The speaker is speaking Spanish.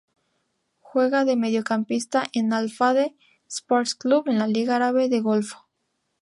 Juega de mediocampista en Al-Fateh Sports Club en la Liga Árabe del Golfo.